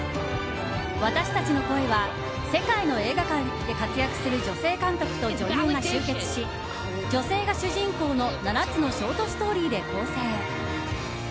「私たちの声」は世界の映画界で活躍する女性監督と女優が集結し女性が主人公の７つのショートストーリーで構成。